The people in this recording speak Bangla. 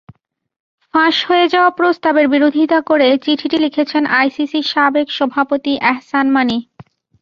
ফাঁস হয়ে যাওয়া প্রস্তাবের বিরোধিতা করে চিঠিটি লিখেছেন আইসিসির সাবেক সভাপতি এহসান মানি।